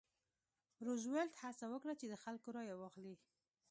روزولټ هڅه وکړه چې د خلکو رایه واخلي.